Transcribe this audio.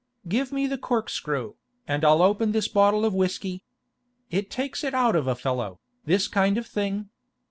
'Give me the corkscrew, and I'll open this bottle of whisky. It takes it out of a fellow, this kind of thing.